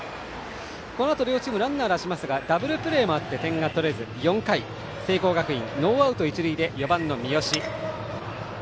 このあと両チームランナー出しますがダブルプレーもあって点が取れず４回聖光学院、ノーアウト一塁で４番の三好。